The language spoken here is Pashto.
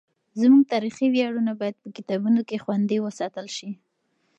زموږ تاریخي ویاړونه باید په کتابونو کې خوندي وساتل سي.